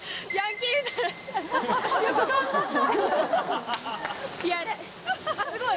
よく頑張った。